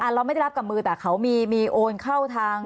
เราไม่ได้รับกับมือแต่เขามีโอนเข้าทาง